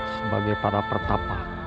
sebagai para pertapa